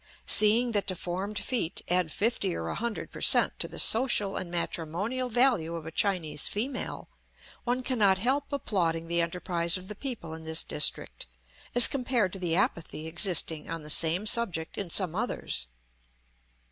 Seeing that deformed feet add fifty or a hundred per cent, to the social and matrimonial value of a Chinese female, one cannot help applauding the enterprise of the people in this district as compared to the apathy existing on the same subject in some others.